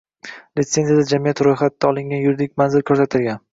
Litsenziyada jamiyat ro’yxatga olingan yuridik manzil ko’rsatilgan.